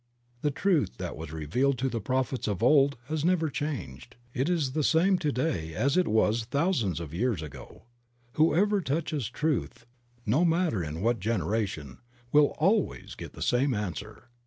The truth that was revealed to the prophets of old has never changed ; it is the same to day as it was thousands of years ago. Whoever touches truth, no matter in what generation, will always get the same answer.